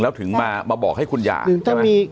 แล้วถึงมาบอกให้คุณอย่าง